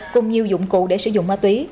cùng nhiều dụng cụ để sử dụng ma túy